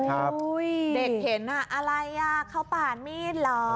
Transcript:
โอ้โหเด็กเห็นอะไรอ่ะเข้าป่านมีดเหรอ